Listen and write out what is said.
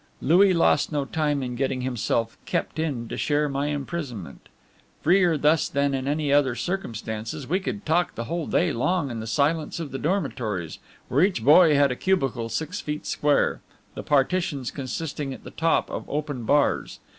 Louis lost no time in getting himself "kept in" to share my imprisonment. Freer thus than in any other circumstances, we could talk the whole day long in the silence of the dormitories, where each boy had a cubicle six feet square, the partitions consisting at the top of open bars.